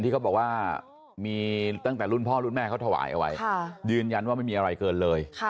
เขาบอกว่ามีตั้งแต่รุ่นพ่อรุ่นแม่เขาถวายเอาไว้ยืนยันว่าไม่มีอะไรเกินเลย